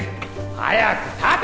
早く立て！